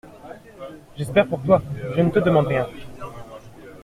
J'espère pour toi, je ne te demande rien.